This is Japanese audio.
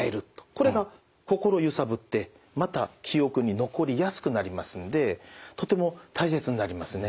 これが心をゆさぶってまた記憶に残りやすくなりますんでとても大切になりますね。